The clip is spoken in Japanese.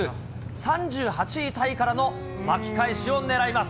３８位タイからの巻き返しを狙います。